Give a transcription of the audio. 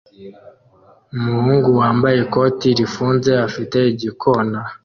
Umuhungu wambaye ikoti rifunze afite igikona